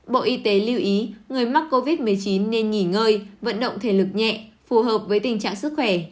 bộ y tế lưu ý người mắc covid một mươi chín nên nghỉ ngơi vận động thể lực nhẹ phù hợp với tình trạng sức khỏe